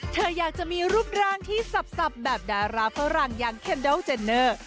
เธออยากจะมีรูปร่างที่สับแบบดาราฝรั่งอย่างเคนดอลเจนเนอร์